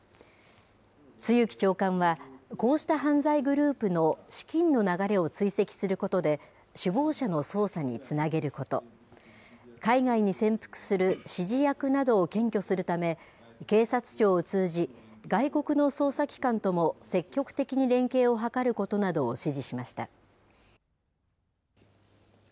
露木長官は、こうした犯罪グループの資金の流れを追跡することで、首謀者の捜査につなげること、海外に潜伏する指示役などを検挙するため、警察庁を通じ、外国の捜査機関とも積極的に連携を図ることなどを指示しました。